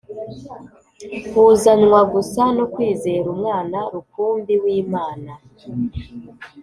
buzanwa gusa no kwizera Umwana rukumbi w'Imana.